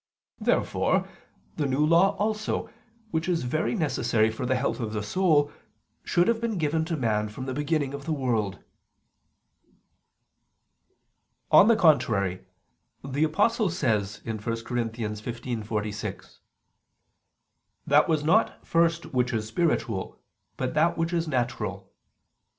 Therefore the New Law also, which is very necessary for the health of the soul, should have been given to man from the beginning of the world. On the contrary, The Apostle says (1 Cor. 15:46): "That was not first which is spiritual, but that which is natural."